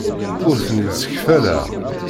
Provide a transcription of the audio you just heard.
Ur ten-id-ssekfaleɣ.